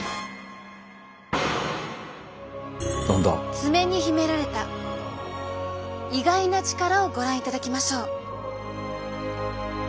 爪に秘められた意外な力をご覧いただきましょう！